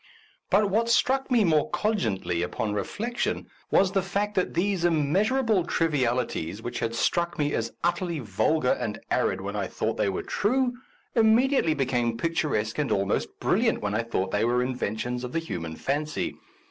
But what struck me more cogently upon reflection was the fact that these immeasurable trivialities, which had struck me as utterly vulgar and arid when I thought they were true, imme diately became picturesque and almost brilliant when I thought they were in ventions of the human fancy.